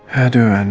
nanti udah udah kena